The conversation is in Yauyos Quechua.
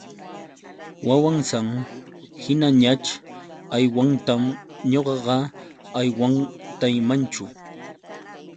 Wawasan hinañaćh agwantan ñuqaqa agwantaymanchu.